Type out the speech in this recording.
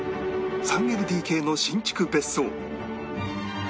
３ＬＤＫ の新築別荘